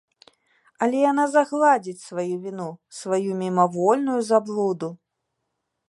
Але яна загладзіць сваю віну, сваю мімавольную заблуду!